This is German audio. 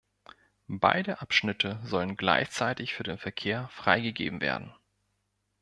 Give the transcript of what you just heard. Beide Abschnitte sollen gleichzeitig für den Verkehr freigegeben werden.